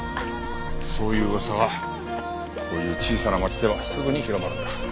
そういう噂はこういう小さな町ではすぐに広まるんだ。